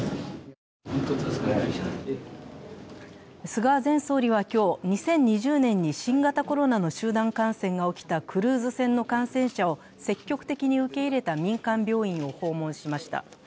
菅前総理は今日、２０２０年に新型コロナの集団感染が起きたクルーズ船の感染者を積極的に受け入れた民間病院を訪問しました。